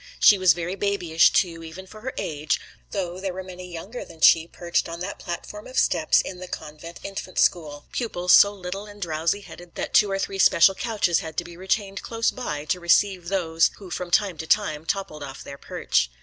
She was very babyish too, even for her age, though there were many younger than she perched on that platform of steps in the Convent Infant School pupils, so little and drowsy headed that two or three special couches had to be retained close by to receive those who from time to time toppled off their perch.